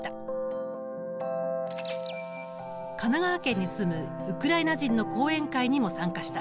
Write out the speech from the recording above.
神奈川県に住むウクライナ人の講演会にも参加した。